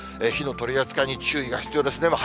火の取り扱いに注意が必要ですね。